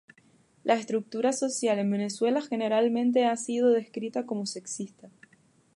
La estructura social en Venezuela generalmente ha sido descrita como sexista.